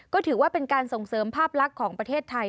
ก็ถือว่าเป็นการส่งเสริมภาพลักษณ์ของประเทศไทย